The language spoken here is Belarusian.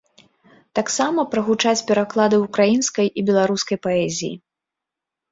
Таксама прагучаць пераклады ўкраінскай і беларускай паэзіі.